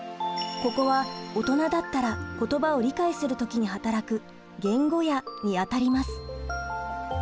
ここは大人だったら言葉を理解する時に働く言語野にあたります。